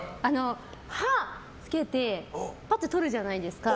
歯つけてパッてとるじゃないですか。